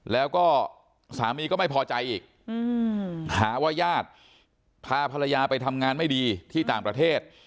แล้วก็สามีก็ไม่พอใจอีกหาว่าญาติพาภรรยาไปทำงานไม่ดีที่ต่างประเทศ